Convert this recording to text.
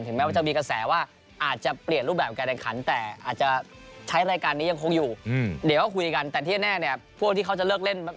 ถึงแม้ว่าจะมีกระแสว่าอาจจะเปลี่ยนรูปแบบการการการ